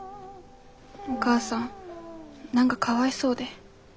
お母さん何かかわいそうで。